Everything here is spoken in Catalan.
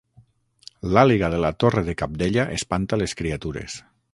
L'àliga de la Torre de Capdella espanta les criatures